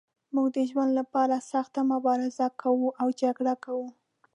موږ د ژوند لپاره سخته مبارزه کوو او جګړه کوو.